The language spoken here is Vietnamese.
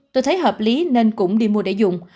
tôi thấy hợp lý nên cũng đi mua để dùng